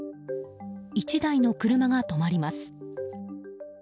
１台の車が止まります。